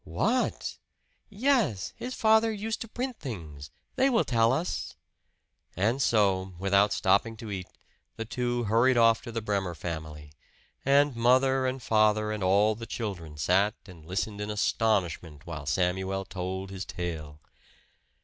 "What!" "Yes. His father used to print things. They will tell us." And so, without stopping to eat, the two hurried off to the Bremer family; and mother and father and all the children sat and listened in astonishment while Samuel told his tale.